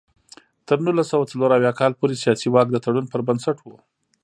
تر نولس سوه څلور اویا کال پورې سیاسي واک د تړون پر بنسټ و.